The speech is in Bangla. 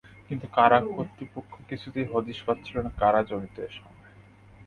কিন্তু কারা কর্তৃপক্ষ কিছুতেই হদিস পাচ্ছিল না কারা জড়িত এর সঙ্গে।